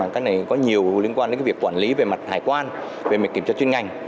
cái này có nhiều liên quan đến cái việc quản lý về mặt hải quan về mặt kiểm tra chuyên ngành